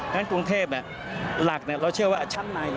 ฉะนั้นกรุงเทพหลักเราเชื่อว่าชั้นใน